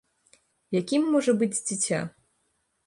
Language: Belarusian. Якім можа быць дзіця?